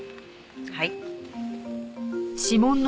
はい。